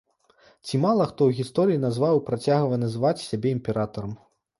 Ці мала хто ў гісторыі назваў і працягвае называць сябе імператарам.